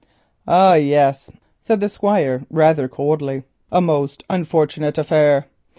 "Ah, yes," said the Squire, rather coldly, "a most unfortunate affair.